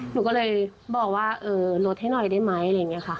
หนูก็เลยบอกว่าเออลดให้หน่อยได้ไหมอะไรอย่างนี้ค่ะ